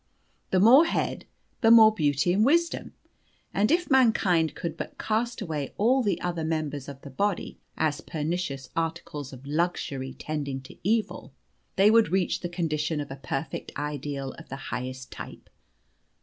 The more head, the more beauty and wisdom. And if mankind could but cast away all the other members of the body as pernicious articles of luxury tending to evil, they would reach the condition of a perfect ideal of the highest type.